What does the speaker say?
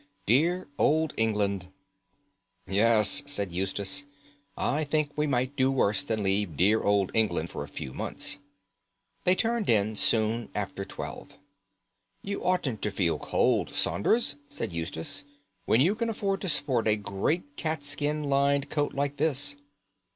Dear old England!" "Yes," said Eustace, "I think we might do worse than leave dear old England for a few months." They turned in soon after twelve. "You oughtn't to feel cold, Saunders," said Eustace, "when you can afford to sport a great cat skin lined coat like this.